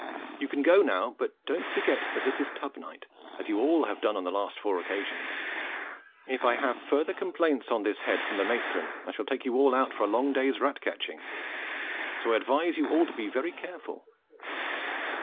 You can go now, but don't forget that this is tub night, as you all have done on the last four occasions. If I have further complaints on this head from the matron, I shall take you all out for a long day's rat catching, so I advise you all to be very careful."